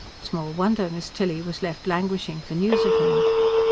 Small wonder Miss Tilly was left languishing for news of him.